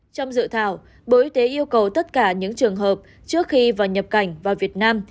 trong dự thảo bộ y tế yêu cầu tất cả những trường hợp trước khi vào nhập cảnh vào việt nam